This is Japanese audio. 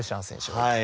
はい。